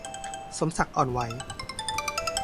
สมศักดิ์ อ่อนไหว